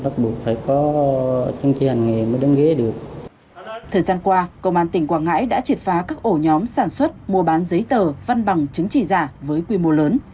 thời gian qua công an tỉnh quảng ngãi đã triệt phá các ổ nhóm sản xuất mua bán giấy tờ văn bằng chứng chỉ giả với quy mô lớn